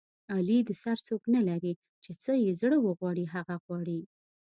علي د سر څوک نه لري چې څه یې زړه و غواړي هغه غواړي.